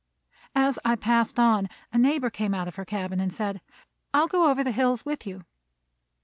As I passed on, a neighbor came out of her cabin, and said, "I will go over the hills with you."